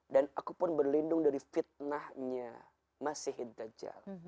dan aku pun berlindung dari fitnahnya masyid dajjal